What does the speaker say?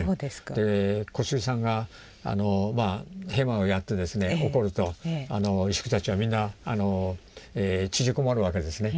小杉さんがヘマをやってですね怒ると石工たちはみんな縮こまるわけですね。